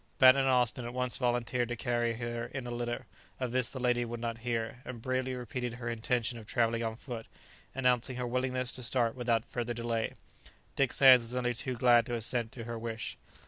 Bat and Austin at once volunteered to carry her in a litter; of this the lady would not hear, and bravely repeated her intention of travelling on foot, announcing her willingness to start without further delay. Dick Sands was only too glad to assent to her wish.